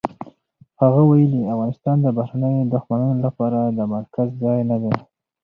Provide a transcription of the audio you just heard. هغه ویلي، افغانستان د بهرنیو دښمنانو لپاره د مرکز ځای نه دی.